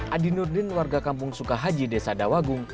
adi nurdin warga kampung sukahaji desa dawagung